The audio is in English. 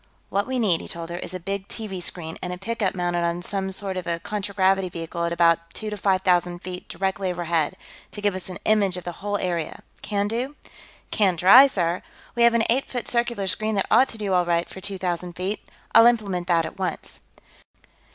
"What we need," he told her, "is a big TV screen, and a pickup mounted on some sort of a contragravity vehicle at about two to five thousand feet directly overhead, to give us an image of the whole area. Can do?" "Can try, sir. We have an eight foot circular screen that ought to do all right for two thousand feet. I'll implement that at once."